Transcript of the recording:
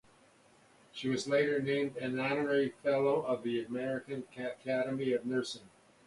She was later named an honorary fellow of the American Academy of Nursing.